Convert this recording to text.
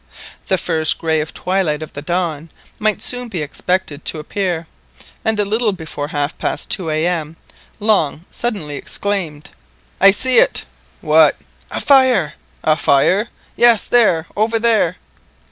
The first grey twilight of the dawn might soon be expected to appear, and a little before half past two A.M. Long suddenly exclaimed: "I see it!" "What?" "A fire!" "A fire?" "Yes, there—over there!"